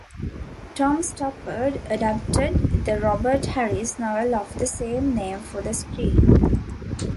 Tom Stoppard adapted the Robert Harris novel of the same name for the screen.